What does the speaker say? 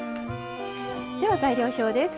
では材料表です。